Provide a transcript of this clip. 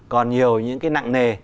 còn nhiều những cái nặng nề